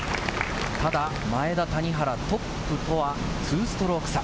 ただ、前田、谷原、トップとは２ストローク差。